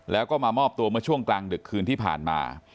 แล้วก็มามอบตัวเมื่อช่วงกลางดึกคืนที่ผ่านมา